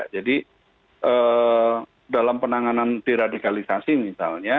jadi dalam penanganan diradikalisasi misalnya